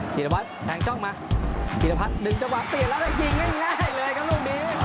กิรพัทแห่งจ้องมากิรพัทดึงเจ้าหวัดเปลี่ยนแล้วได้ยิงง่ายเลยครับลูกมีน